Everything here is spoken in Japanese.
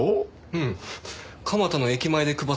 うん蒲田の駅前で配ってたの。